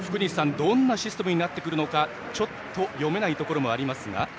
どんなシステムになってくるのかちょっと読めないところもありますが。